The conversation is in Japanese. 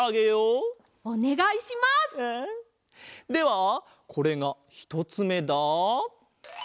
ではこれがひとつめだ。